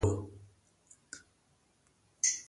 ویل ، هو!